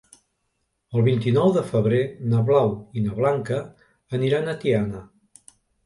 El vint-i-nou de febrer na Blau i na Blanca aniran a Tiana.